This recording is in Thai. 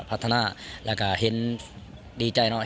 ก็พัฒนาและก็เห็นดีใจเนาะ